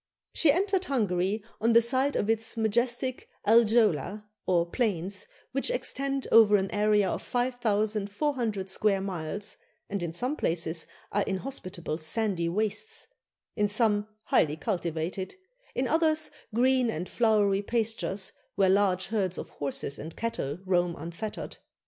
She entered Hungary on the side of its majestic Aljöla, or plains, which extend over an area of 5,400 square miles, and in some places are inhospitable sandy wastes; in some, highly cultivated; in others, green and flowery pastures, where large herds of horses and cattle roam unfettered.